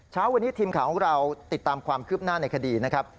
เช้าวันนี้ทีมข่าวของเราติดตามความคืบหน้าในคดีนะครับ